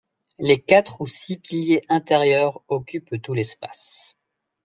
Les quatre ou six piliers intérieurs occupent tout l'espace.